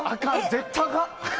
絶対あかん。